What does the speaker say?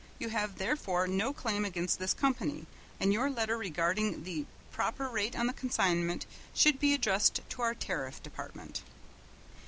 You have therefore no claim against this company, and your letter regarding the proper rate on the consignment should be addressed to our Tariff Department."